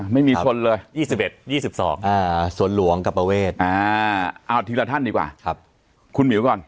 ไม่มีชนเลย๒๑๒๒สวนหลวงกับประเวทเอาทีละท่านดีกว่าคุณหมิวก่อน